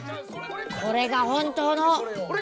これが本当の。